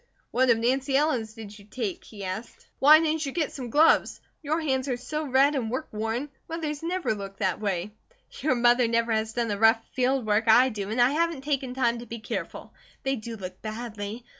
"What of Nancy Ellen's did you take?" he asked. "Why didn't you get some gloves? Your hands are so red and work worn. Mother's never look that way." "Your mother never has done the rough field work I do, and I haven't taken time to be careful. They do look badly.